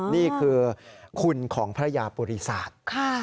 นี่คือคุณของพระยาปุริศาสตร์